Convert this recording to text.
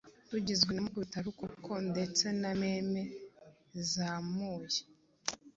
tugizwe na mukubita rukoko ndetse na meme zizamuye